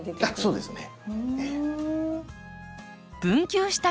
そうですね。